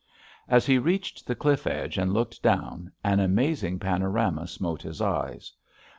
As he reached the cliff edge and looked down an amazing panorama smote his eyes.